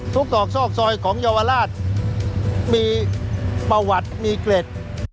ศอกซอกซอยของเยาวราชมีประวัติมีเกร็ด